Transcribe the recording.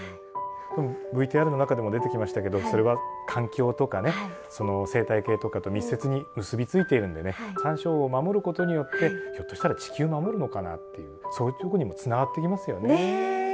ＶＴＲの中でも出てきましたけどそれは環境とかね生態系とかと密接に結び付いているんでねサンショウウオを守ることによってひょっとしたら地球を守るのかなっていうそういうとこにもつながっていきますよね。ね。